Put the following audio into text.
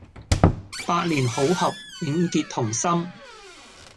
百年好合，永結同心